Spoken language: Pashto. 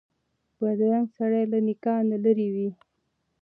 بدرنګه سړی له نېکانو لرې وي